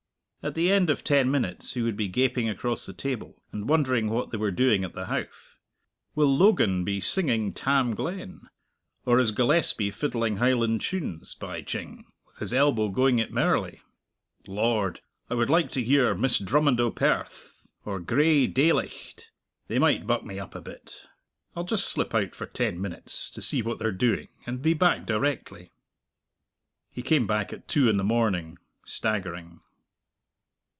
At the end of ten minutes he would be gaping across the table, and wondering what they were doing at the Howff. "Will Logan be singing 'Tam Glen'? Or is Gillespie fiddling Highland tunes, by Jing, with his elbow going it merrily? Lord! I would like to hear 'Miss Drummond o' Perth' or 'Gray Daylicht' they might buck me up a bit. I'll just slip out for ten minutes, to see what they're doing, and be back directly." He came back at two in the morning, staggering.